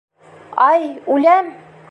Ай, үләм!..